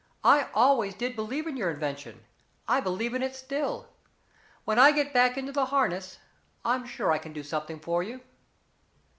"I always did believe in your invention I believe in it still. When I get back into the harness I'm sure I can do something for you."